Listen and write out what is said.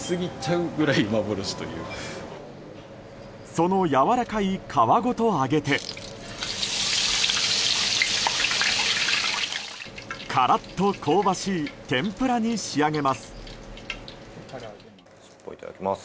そのやわらかい皮ごと揚げてカラッと香ばしい天ぷらに仕上げます。